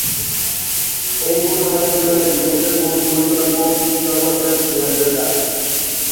এই ঘোষণা ছিল ইতিহাসের কোনো খলিফা কর্তৃক সর্বশেষ জিহাদের ডাক।